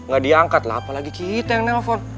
gak diangkat lah apalagi kita yang nelfon